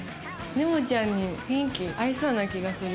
ねもちゃんに雰囲気合いそうな気がする。